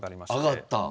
上がった。